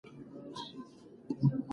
پس لومړی ځان اصلاح کړئ.